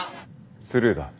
スルーだ。